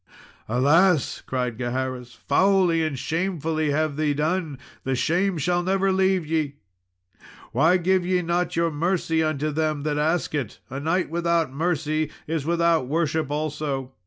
"Alas!" cried Gaheris, "foully and shamefully have ye done the shame shall never leave ye! Why give ye not your mercy unto them that ask it? a knight without mercy is without worship also."